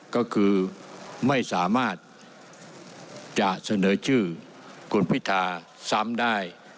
ก็คือไม่สามารถจะเสนอชื่อคุณพิธาซ้ำได้